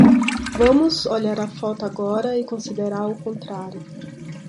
Vamos olhar a foto agora e considerar o contrário.